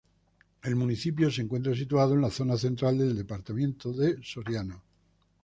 El municipio se encuentra situado en la zona central del departamento de Soriano.